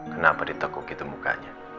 kenapa ditekuk gitu mukanya